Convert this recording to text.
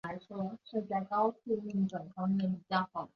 模糊测试工具通常可以被分为两类。